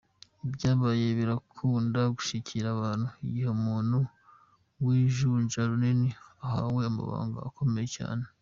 Ivyabaye birakunda gushikira abantu - igihe umuntu w'ijunja rinini ahawe amabanga akomeye cane.